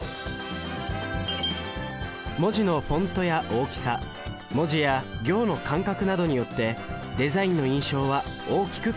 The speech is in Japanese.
文字のフォントや大きさ文字や行の間隔などによってデザインの印象は大きく変わります。